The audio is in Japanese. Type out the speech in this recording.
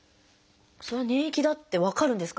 その粘液だって分かるんですか？